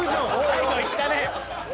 最後いったね。